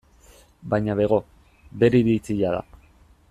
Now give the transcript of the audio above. Baina bego, bere iritzia da.